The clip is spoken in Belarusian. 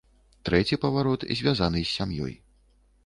Трэці паварот звязаны з сям'ёй.